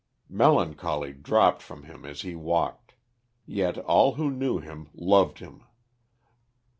"Melancholy dropped from him as he walked"; yet all who knew him loved him.